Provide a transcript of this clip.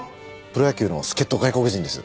プロ野球の助っ人外国人です。